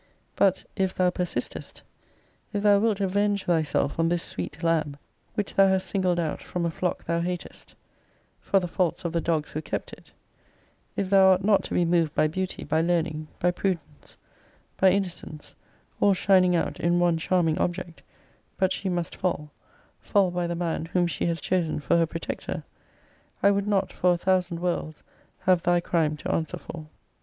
But, if thou persistest; if thou wilt avenge thyself on this sweet lamb which thou hast singled out from a flock thou hatest, for the faults of the dogs who kept it: if thou art not to be moved by beauty, by learning, by prudence, by innocence, all shining out in one charming object; but she must fall, fall by the man whom she has chosen for her protector; I would not for a thousand worlds have thy crime to answer for.